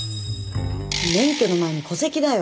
免許の前に戸籍だよ。